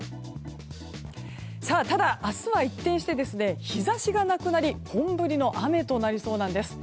ただ、明日は一転して日差しがなくなり本降りの雨となりそうなんです。